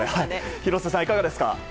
廣瀬さん、いかがですか？